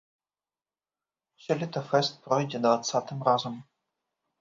Сёлета фэст пройдзе дваццатым разам.